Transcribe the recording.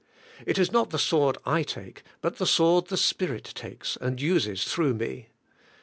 It is not the sword /take, but the sword the Spirit takes and uses through me.